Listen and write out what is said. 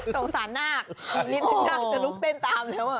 สงสัยหน้าอีกนิดหนึ่งหน้าจะลุกเต้นตามแล้ว